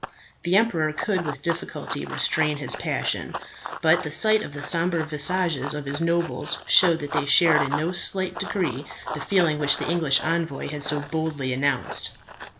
The emperor could with difficulty restrain his passion; but the sight of the sombre visages of his nobles showed that they shared in no slight degree the feelings which the English envoy had so boldly announced.